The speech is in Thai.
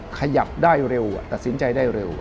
ขยับได้เร็วตัดสินใจได้เร็ว